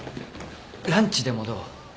ランチでもどう？